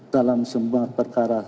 dalam semua perkara